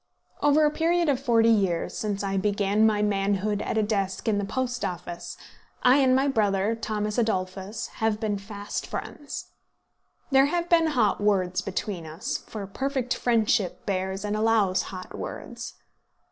Over a period of forty years, since I began my manhood at a desk in the Post Office, I and my brother, Thomas Adolphus, have been fast friends. There have been hot words between us, for perfect friendship bears and allows hot words.